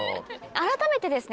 改めてですね